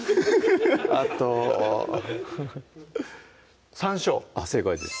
あとさんしょう正解です